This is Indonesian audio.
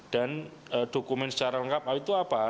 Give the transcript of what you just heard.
dan dokumen secara lengkap itu apa